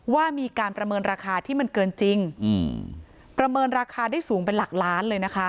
ว่ามีการประเมินราคาที่มันเกินจริงอืมประเมินราคาได้สูงเป็นหลักล้านเลยนะคะ